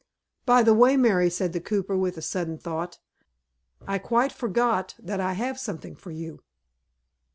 "By the way, Mary," said the cooper, with a sudden thought, "I quite forgot that I have something for you."